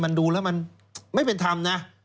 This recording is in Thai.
มันดูแล้วมันไม่เป็นธรรมนะ